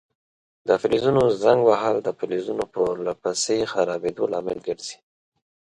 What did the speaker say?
د فلزونو زنګ وهل د فلزونو پر له پسې خرابیدو لامل ګرځي.